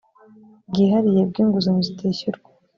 bwihariye bw inguzanyo zitishyurwa